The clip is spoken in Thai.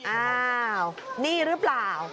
อ้าวนี่หรือเปล่า